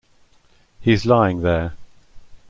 He's lying there.